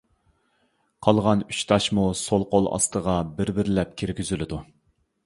قالغان ئۈچ تاشمۇ سول قول ئاستىغا بىر-بىرلەپ كىرگۈزۈلىدۇ.